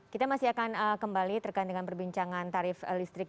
kita masih akan kembali terkait dengan perbincangan tarif listrik